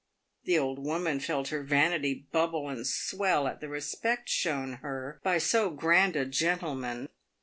The old woman felt her vanity bubble and swell at the respect shown her by so grand a gentleman.